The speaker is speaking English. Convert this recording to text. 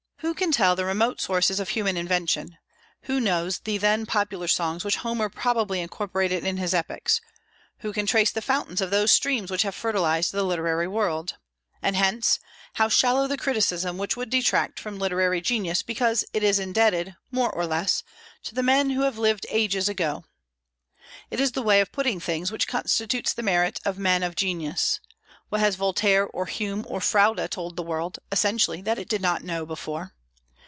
Who can tell the remote sources of human invention; who knows the then popular songs which Homer probably incorporated in his epics; who can trace the fountains of those streams which have fertilized the literary world? and hence, how shallow the criticism which would detract from literary genius because it is indebted, more or less, to the men who have lived ages ago. It is the way of putting things which constitutes the merit of men of genius. What has Voltaire or Hume or Froude told the world, essentially, that it did not know before?